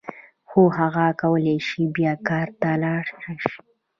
هو هغه کولای شي بیا کار ته راشي.